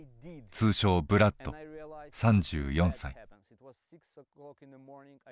通称ブラッド３４歳。